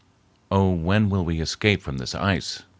"Oh, when will we escape from this ice?"